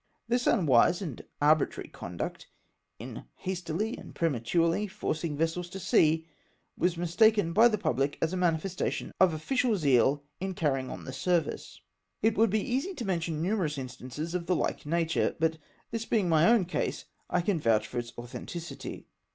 This unwise and arbitrary conduct, in hastily and prematurely forcing vessels to sea, was mis taken by the pubhc as a manifestation of official zeal in carrying on the service ! It would be easy to mention numerous instances of the hke nature, but this being my own case, I can vouch for its authenticity.